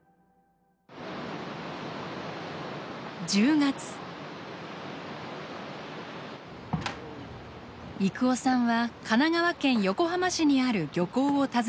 征夫さんは神奈川県横浜市にある漁港を訪ねました。